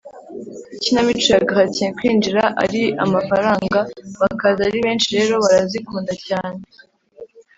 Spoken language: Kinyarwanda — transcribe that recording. ikinamico ya gratien kwinjira ari amafaranga, bakaza ari benshi rero barazikunda cyane